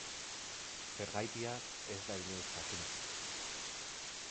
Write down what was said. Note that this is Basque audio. Zergatia ez da inoiz jakin.